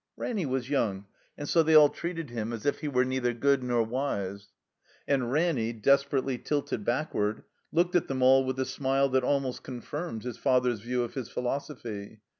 Ranny was young, and so they all treated him as if he were neither good nor wise. so THE COMBINED MAZE And Ranny, desperately tilted backward, looked at them all with a smile that almost confirmed his father's view of his philosophy.